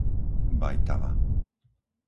Bajtava